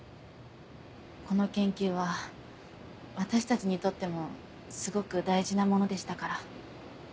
この研究は私たちにとってもすごく大事なものでしたから。